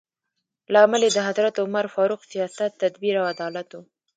لامل یې د حضرت عمر فاروق سیاست، تدبیر او عدالت و.